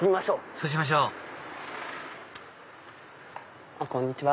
そうしましょうこんにちは。